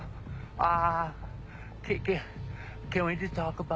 ああ。